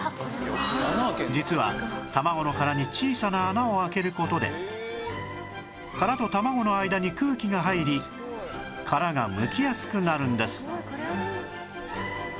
実は卵の殻に小さな穴を開ける事で殻と卵の間に空気が入り殻がむきやすくなるんです